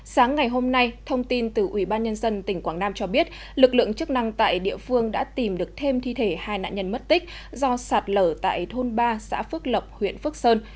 sáng ngày hôm nay thông tin từ ủy ban nhân dân tỉnh quảng nam cho biết lực lượng chức năng tại địa phương đã tìm được thêm thi thể hai nạn nhân mất tích do sạt lở tại thôn ba xã phước lộc huyện phước sơn